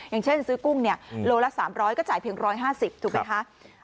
อย่างเช่นซื้อกุ้งเนี่ยโลละ๓๐๐ก็จ่ายเพียง๑๕๐ถูกไหมคะ